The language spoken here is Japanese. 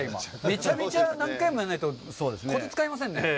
めちゃめちゃ何回もやらないとコツがつかめませんね。